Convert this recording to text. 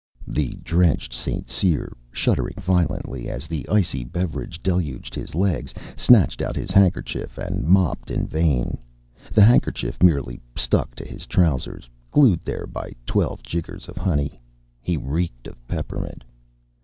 The drenched St. Cyr, shuddering violently as the icy beverage deluged his legs, snatched out his handkerchief and mopped in vain. The handkerchief merely stuck to his trousers, glued there by twelve jiggers of honey. He reeked of peppermint.